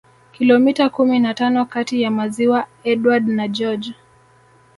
Kilomita kumi na tano kati ya maziwa Edward na George